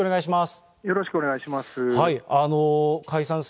よろしくお願いします。